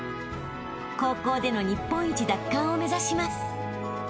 ［高校での日本一奪還を目指します］